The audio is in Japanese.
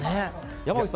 山口さん